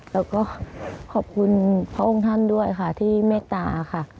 แล้วก็ขอบคุณพระองค์ท่านด้วยค่ะที่เมตตาค่ะ